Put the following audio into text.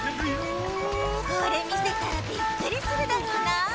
これみせたらビックリするだろうな。